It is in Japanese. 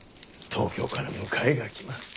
東京から迎えが来ます。